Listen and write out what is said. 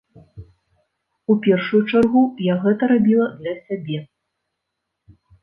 У першаю чаргу, я гэта рабіла для сябе.